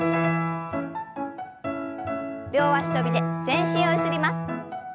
両足跳びで全身をゆすります。